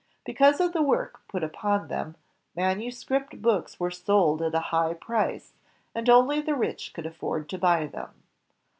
Because of the work put upon them, manuscript books were sold at a high price, and only the rich could afford to buy them.